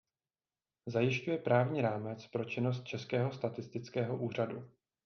Zajišťuje právní rámec pro činnost Českého statistického úřadu.